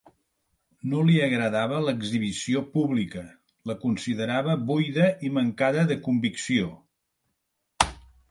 No li agradava l'exhibició pública, la considerava buida i mancada de convicció.